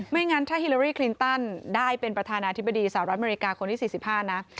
งั้นถ้าฮิลารี่คลินตันได้เป็นประธานาธิบดีสหรัฐอเมริกาคนที่๔๕นะ